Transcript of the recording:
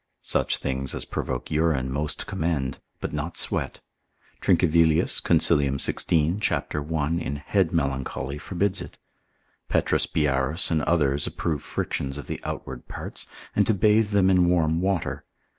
Such things as provoke urine most commend, but not sweat. Trincavelius consil. 16. cap. 1. in head melancholy forbids it. P. Byarus and others approve frictions of the outward parts, and to bathe them with warm water.